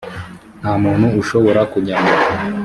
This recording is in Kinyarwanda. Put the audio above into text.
nta muntu ushobora kunyagwa